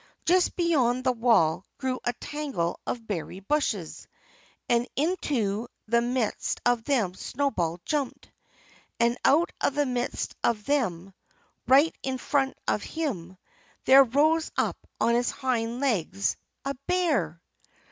Just beyond the wall grew a tangle of berry bushes. And into the midst of them Snowball jumped. And out of the midst of them, right in front of him, there rose up on his hind legs a bear!